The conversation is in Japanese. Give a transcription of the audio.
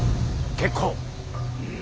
結構。